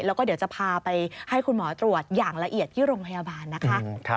แล้วก็เดี๋ยวจะพาไปให้คุณหมอตรวจอย่างละเอียดที่โรงพยาบาลนะคะ